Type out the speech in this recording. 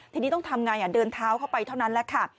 ทีนี้ต้องทำไงเดินเท้าเข้าไปเท่านั้นแหละค่ะ